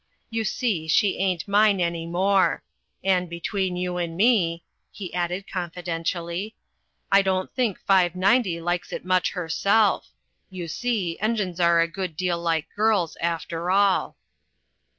You see, she ain't mine any more. And, between you and me," he added, confidentially, "I don't think 590 likes it much herself; you see, engines are a good deal like girls, after all."